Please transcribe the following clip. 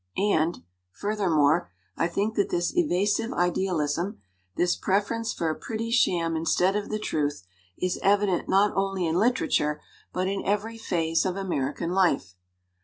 And, furthermore, I think that this evasive idealism, this preference for a pretty sham instead of the truth, is evident not only in literature, but in every phase of American life.